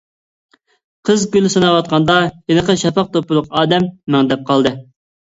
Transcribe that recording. قىز گۈل ساناۋاتقاندا ھېلىقى شاپاق دوپپىلىق ئادەم مەڭدەپ قالدى.